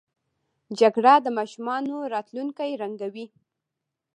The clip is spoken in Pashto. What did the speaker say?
جګړه د ماشومانو راتلونکی ړنګوي